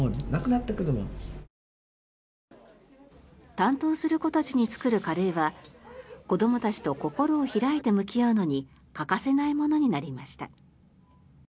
担当する子たちに作るカレーは子どもたちと心を開いて向き合うのに欠かせないものになりました。